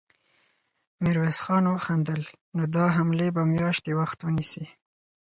ميرويس خان وخندل: نو دا حملې به مياشتې وخت ونيسي.